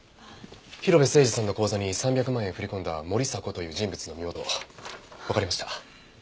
広辺誠児さんの口座に３００万円振り込んだモリサコという人物の身元わかりました。